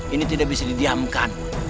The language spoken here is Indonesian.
ini tidak bisa didiamkan